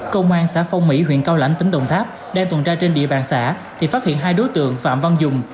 công an xã phong mỹ huyện cao lãnh tỉnh đồng tháp đang tuần tra trên địa bàn xã thì phát hiện hai đối tượng phạm văn dùng